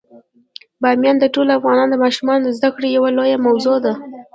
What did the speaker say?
بامیان د ټولو افغان ماشومانو د زده کړې یوه لویه موضوع ده.